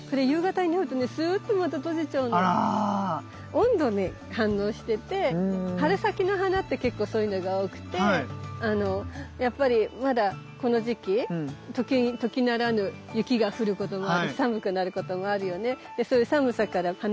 温度に反応してて春先の花って結構そういうのが多くてやっぱりまだこの時期時ならぬ雪が降ることもあるし寒くなることもあるよね。